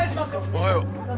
おはよう。